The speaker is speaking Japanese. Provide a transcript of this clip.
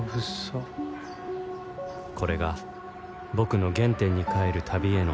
これが僕の原点に返る旅への招待状だった